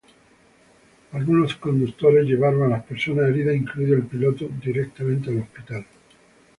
Algunos conductores llevaron a las personas heridas, incluido el piloto, directamente al hospital.